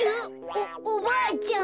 おおばあちゃん。